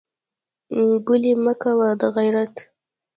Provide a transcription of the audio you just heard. ګلې مه کوه دغېرت.